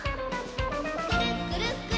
「くるっくるくるっくる」